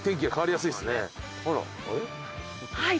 はい。